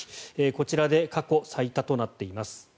こちらで過去最多となっています。